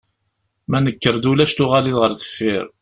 Ma nekker-d ulac tuɣalin ar deffir.